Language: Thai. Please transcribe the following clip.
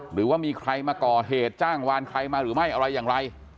หรือว่ามีใครมาก่อเหตุจ้างวานใครมาหรือไม่อะไรอย่างไร